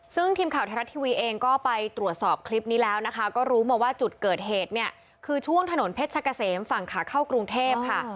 ซึ่งทีมข่าวไทยรัฐทีวีเองก็ไปตรวจสอบคลิปนี้แล้วนะคะก็รู้มาว่าจุดเกิดเหตุเนี่ยคือช่วงถนนเพชรกะเสมฝั่งขาเข้ากรุงเทพค่ะ